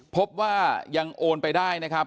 พบว่ายังโอนไปได้นะครับ